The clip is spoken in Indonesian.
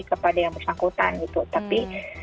kepada yang bersangkutan gitu tapi